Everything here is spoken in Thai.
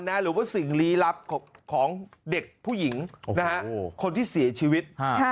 หรือว่าสิ่งลี้ลับของเด็กผู้หญิงคนที่เสียชีวิต